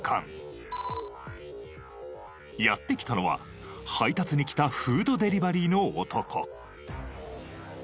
やって来たのは配達に来たフードデリバリーの男。